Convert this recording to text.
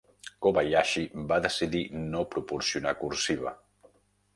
Kobayashi va decidir no proporcionar cursiva.